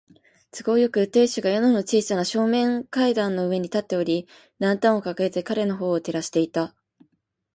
都合よく、亭主が宿の小さな正面階段の上に立っており、ランタンをかかげて彼のほうを照らしていた。